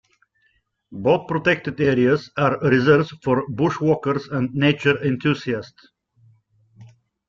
Both protected areas are reserves for bushwalkers and nature enthusiasts.